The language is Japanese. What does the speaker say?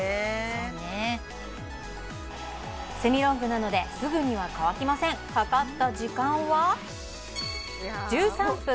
そうねセミロングなのですぐには乾きませんかかった時間は１３分５５秒